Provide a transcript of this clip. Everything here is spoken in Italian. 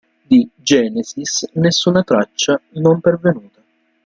Di "Genesis" nessuna traccia, non pervenuta.